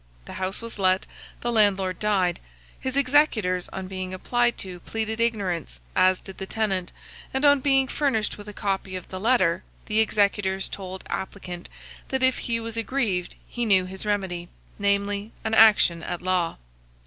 The house was let; the landlord died. His executors, on being applied to, pleaded ignorance, as did the tenant, and on being furnished with a copy of the letter, the executors told applicant that if he was aggrieved, he knew his remedy; namely, an action at law.